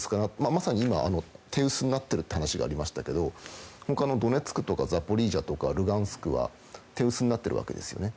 まさに手薄になっているという話がありましたけど他のドネツクとかザポリージャとかルガンスクは手薄になっているわけですよね。